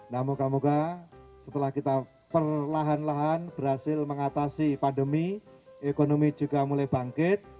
nah moga moga setelah kita perlahan lahan berhasil mengatasi pandemi ekonomi juga mulai bangkit